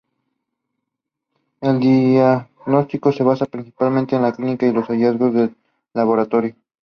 El diagnóstico se basa principalmente en la clínica y los hallazgos de laboratorio.